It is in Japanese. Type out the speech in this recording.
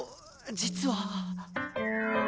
実は？